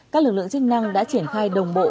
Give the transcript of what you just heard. các lực lượng chức năng đã triển khai đồng bộ